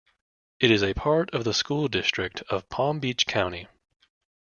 It is a part of the School District of Palm Beach County.